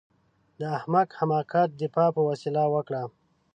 د احمق د حماقت دفاع په وسيله وکړئ.